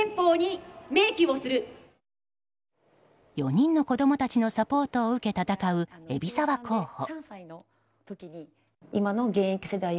４人の子供たちのサポートを受け戦う海老沢候補。